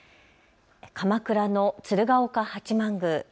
鎌倉の鶴岡八幡宮。